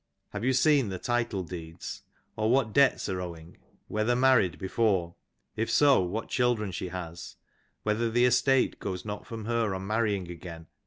Have you seen the title " deeds ! or what debts are owing ? whether married before ? if so, " what children] she has ! whether the estate goes not from her on " marrying again